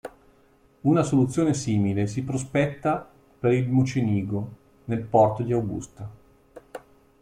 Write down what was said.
Una soluzione simile si prospetta per il "Mocenigo" nel porto di Augusta.